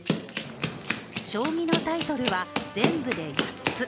将棋のタイトルは全部で８つ。